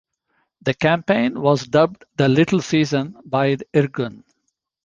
The campaign was dubbed the "Little Season" by the Irgun.